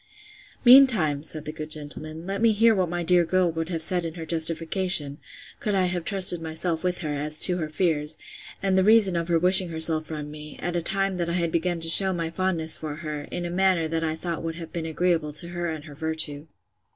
Meantime, said the good gentleman, let me hear what my dear girl would have said in her justification, could I have trusted myself with her, as to her fears, and the reason of her wishing herself from me, at a time that I had begun to shew my fondness for her, in a manner that I thought would have been agreeable to her and virtue.